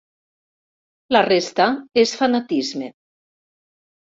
La resta és fanatisme.